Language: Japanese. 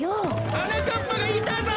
はなかっぱがいたぞ！